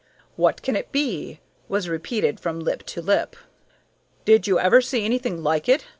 "What can it be?" was repeated from lip to lip. "Did you ever see anything like it?"